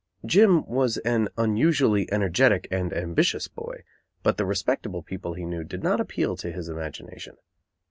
Jim was an unusually energetic and ambitious boy, but the respectable people he knew did not appeal to his imagination.